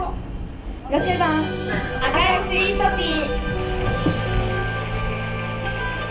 ６番「赤いスイートピー」。